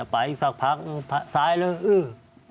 ไปอีกสักพักอื้อซ้ายเลยอื้อ